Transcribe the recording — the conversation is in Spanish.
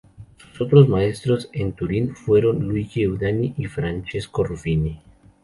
Sus otros maestros en Turín fueron Luigi Einaudi y Francesco Ruffini.